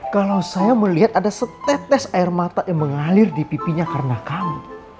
kalau saya melihat ada setetes air mata yang mengalir di pipinya karena kami